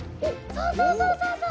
そうそうそうそうそう！